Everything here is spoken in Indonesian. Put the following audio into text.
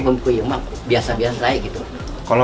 jadi kita harus mengawasi air dengan gaya